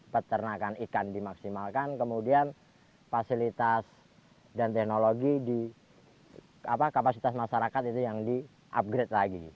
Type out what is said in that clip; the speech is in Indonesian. peternakan ikan dimaksimalkan kemudian fasilitas dan teknologi di kapasitas masyarakat itu yang di upgrade lagi